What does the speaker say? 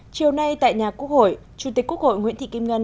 chiều nay tại nhà quốc hội chủ tịch quốc hội nguyễn thị kim ngân